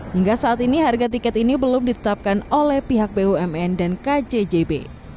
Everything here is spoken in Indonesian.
hingga saat ini harga tiket ini belum ditetapkan oleh pihak bumn dan kjjb